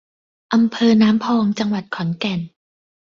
อำเภอน้ำพอง จังหวัดขอนแก่น